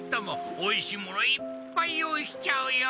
おいしいものいっぱい用意しちゃうよ。